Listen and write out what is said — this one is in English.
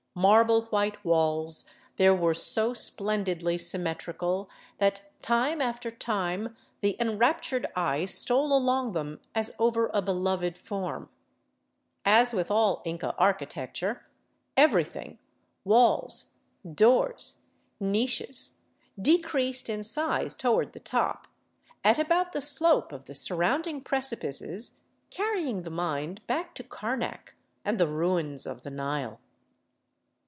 Marble I white walls there were so splendidly symmetrical that time after time i 469 VAGABONDING DOWN THE ANDES the enraptured eye stole along them as over a beloved form. As v^ith all Inca architecture, everything, — walls, doors, niches — de creased in size toward the top, at about the slope of the surrounding precipices, carrying the mind back to Karnak and the ruins of the Nile.